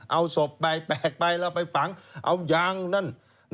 เอาศพไปแปลกไปแล้วไปฝังเอายางนั่น